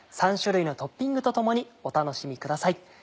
３種類のトッピングと共にお楽しみください。